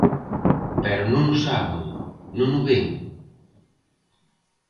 Pero ¿non o saben?, ¿non o ven?